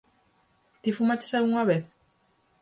_¿Ti fumaches algunha vez?